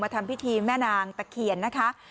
ทำพิธีแม่นางตะเคียนนะคะ